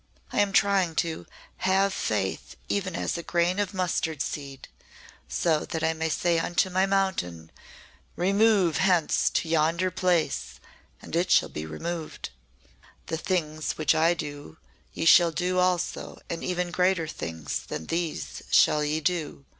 I am trying to 'have faith even as a grain of mustard seed' so that I may say unto my mountain, 'Remove hence to yonder place and it shall be removed.'" "'The things which I do, ye shall do also and even greater things than these shall ye do.'"